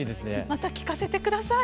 また聞かせて下さい。